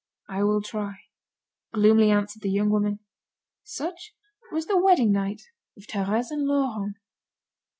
"I will try," gloomily answered the young woman. Such was the wedding night of Thérèse and Laurent.